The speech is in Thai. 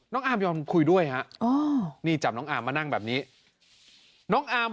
และอาร์มจำใครได้มั่งตัวนี้ครับ